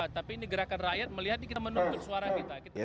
tapi ini gerakan rakyat melihat kita menunggu suara kita